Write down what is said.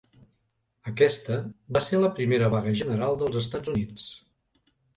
Aquesta va ser la primera vaga general dels Estats Units.